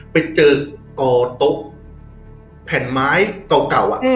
ไปเจอกอโต๊ะแผ่นไม้เก่า